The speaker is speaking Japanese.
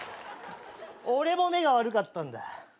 俺も目が悪かったんだ。